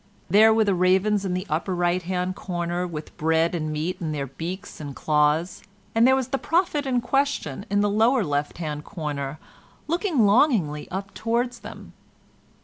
There were the ravens in the upper right hand corner with bread and meat in their beaks and claws, and there was the prophet in question in the lower left hand corner looking longingly up towards them.